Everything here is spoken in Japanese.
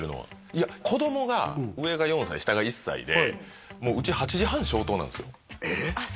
いや子供が上が４歳下が１歳でもううち８時半消灯なんですよああ